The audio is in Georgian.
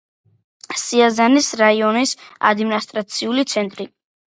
სიაზანის რაიონის ადმინისტრაციული ცენტრი.